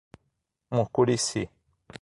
Mucurici